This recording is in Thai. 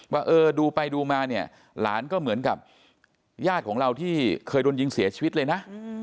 ว่าเออดูไปดูมาเนี่ยหลานก็เหมือนกับญาติของเราที่เคยโดนยิงเสียชีวิตเลยนะ